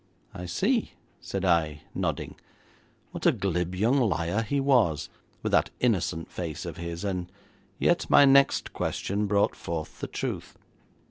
'I see,' said I, nodding. What a glib young liar he was, with that innocent face of his, and yet my next question brought forth the truth.